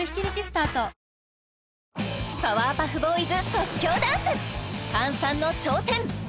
即興ダンスＫＡＮさんの挑戦